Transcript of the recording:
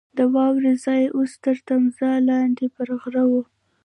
د واورې زور اوس تر تمځای لاندې پر غره وو.